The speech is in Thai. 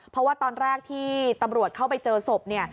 เพราะว่าตอนแรกที่ตำรวจเข้าไปเจอศพเนี่ย